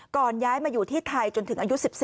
ย้ายมาอยู่ที่ไทยจนถึงอายุ๑๔